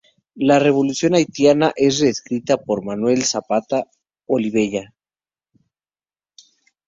La revolución haitiana es reescrita por Manuel Zapata Olivella.